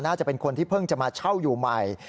น่าจะเป็นคนที่เพิ่งจะมาเช่าอยู่ใหม่